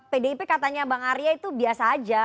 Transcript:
pdip katanya bang arya itu biasa aja